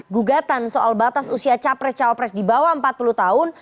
gugatan soal batas usia capres cawapres di bawah empat puluh tahun